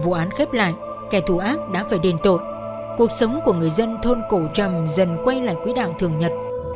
vụ án khép lại kẻ thù ác đã phải đền tội cuộc sống của người dân thôn cổ trầm dần quay lại quý đạo thường nhật